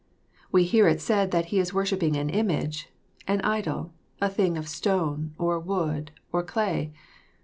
We hear it said that he is worshipping an image, an idol, a thing of stone or wood or clay.